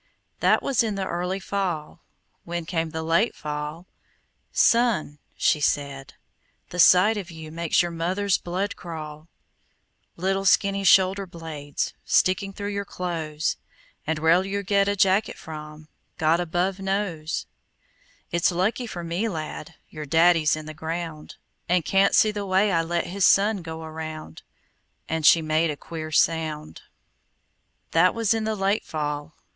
That was in the early fall. When came the late fall, "Son," she said, "the sight of you Makes your mother's blood crawl,– "Little skinny shoulder blades Sticking through your clothes! And where you'll get a jacket from God above knows. "It's lucky for me, lad, Your daddy's in the ground, And can't see the way I let His son go around!" And she made a queer sound. That was in the late fall.